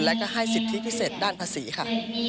แล้วก็ให้สิทธิพิเศษด้านภาษีค่ะ